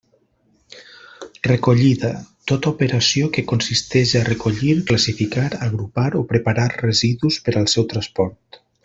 Recollida; tota operació que consisteix a recollir, classificar, agrupar o preparar residus per al seu transport.